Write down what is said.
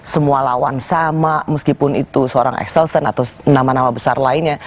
semua lawan sama meskipun itu seorang excelson atau nama nama besar lainnya